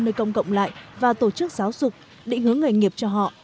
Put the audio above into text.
nơi công cộng lại và tổ chức giáo dục định hướng nghề nghiệp cho họ